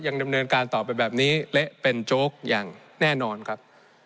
ยังดำเนินการต่อไปแบบนี้และเป็นโจ๊กอย่างแน่นอนครับ